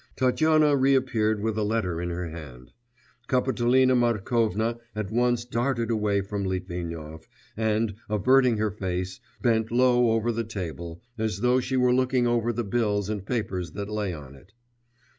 Tatyana reappeared with a letter in her hand. Kapitolina Markovna at once darted away from Litvinov, and, averting her face, bent low over the table, as though she were looking over the bills and papers that lay on it.